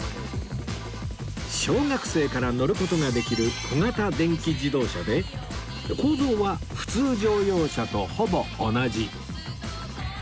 小学生から乗る事ができる小型電気自動車で構造は普通乗用車とほぼ同じ